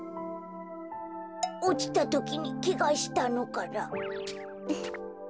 おちたときにけがしたのかな。